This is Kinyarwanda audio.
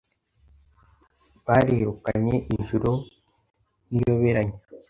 Barirukanye ijuru nk'iyoberanya